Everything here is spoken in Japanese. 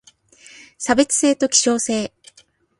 差別性と希少性